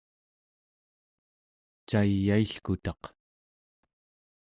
cayailkutaq